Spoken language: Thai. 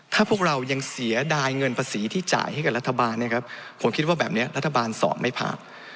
ถ้าพวกเรายังเสียดายเงินภาษีที่จ่ายให้กับรัฐบาลนะครับผมคิดว่าแบบนี้รัฐบาลสอบไม่ผ่าน